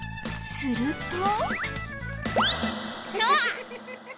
すると。